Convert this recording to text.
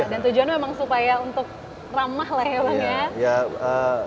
dan tujuannya memang supaya untuk ramah lah ya bang ya